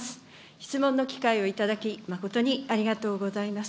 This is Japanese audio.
質問の機会をいただき、誠にありがとうございます。